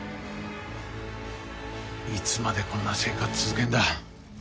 いつまでこんな生活続けんだ？